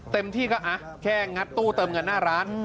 เต็มที่ก็แค่งัดตู้เติมเงินหน้าร้าน